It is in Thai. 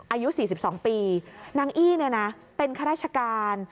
อายุ๔๒ปีนางอี้เป็นข้าราชการ